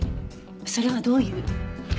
それはどういう。